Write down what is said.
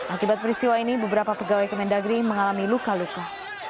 akibat peristiwa ini beberapa pegawai kemendagri mengalami luka luka